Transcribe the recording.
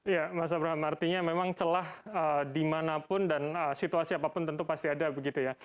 ya mas bram artinya memang celah dimanapun dan situasi apapun tentu pasti ada